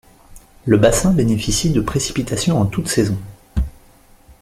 Le bassin bénéficie de précipitations en toutes saisons.